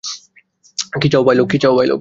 কী চাও, ভাইলোগ?